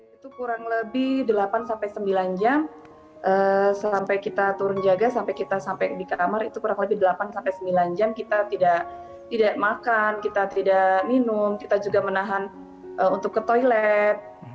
itu kurang lebih delapan sembilan jam sampai kita turun jaga sampai kita sampai di kamar itu kurang lebih delapan sembilan jam kita tidak makan kita tidak minum kita juga menahan untuk ke toilet